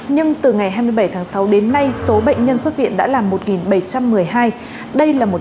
nhưng từ ngày hai mươi bảy tháng sáu đến nay số bệnh nhân xuất viện đã là một bảy trăm một mươi hai